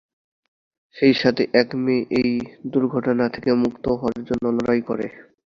সেই সাথে এক মেয়ে এই দুর্ঘটনা থেকে মুক্ত হওয়ার জন্য লড়াই করে।